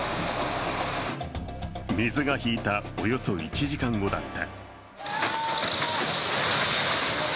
水が引いたおよそ１時間後だった。